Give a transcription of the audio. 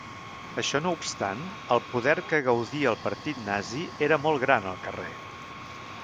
Això no obstant, el Poder que gaudia el partit nazi era molt gran al carrer.